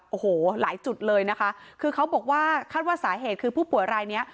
โอ้โหหลายจุดเลยนะคะคือเขาบอกว่าคาดว่าสาเหตุคือผู้ป่วยรายเนี้ย